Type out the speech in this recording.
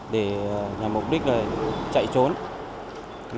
để làm mục đích là chạy trốn